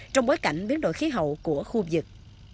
trong bối cảnh biến đổi khí hậu của khu vực